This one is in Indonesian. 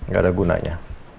gak ada gunanya